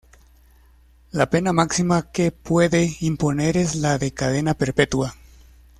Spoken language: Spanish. La pena máxima que puede imponer es la de cadena perpetua.